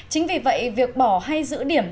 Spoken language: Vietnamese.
chính vì vậy việc bỏ hay giữ điểm